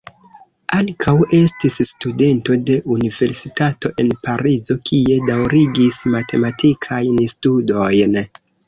Ankaŭ estis studento de Universitato en Parizo, kie daŭrigis matematikajn studojn.